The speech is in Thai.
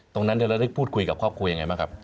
ตรงนั้นเราได้พูดคุยกับครอบครัวยังไงบ้างครับ